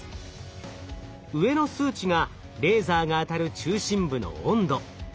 上の数値がレーザーが当たる中心部の温度。